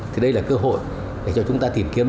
thì đây là cơ hội để cho chúng ta tìm kiếm